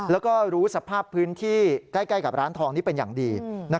แล้วก็รู้สภาพพื้นที่ใกล้กับร้านทองนี้เป็นอย่างดี